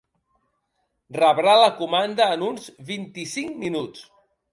Rebrà la comanda en uns vint-i-cinc minuts.